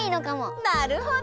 なるほど。